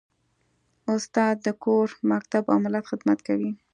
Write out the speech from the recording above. استاد د کور، مکتب او ملت خدمت کوي.